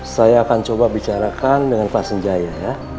saya akan coba bicarakan dengan pak sanjaya ya